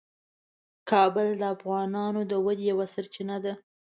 کابل د افغانانو د ودې یوه سرچینه ده.